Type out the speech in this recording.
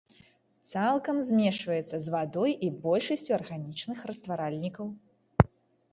Цалкам змешваецца з вадой і большасцю арганічных растваральнікаў.